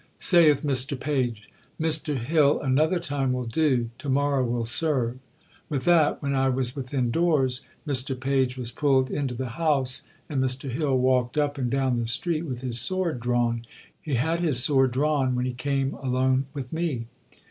Saith Mr Page, "Mr Hill, another time will do; to morrow will serve." With that, when I was within doors, Mr Page was pulled into the house, and Mr Hill walked up and down the street with his sword drawn. He had his sword drawn when he came alone with me.'